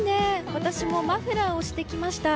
私もマフラーをしてきました。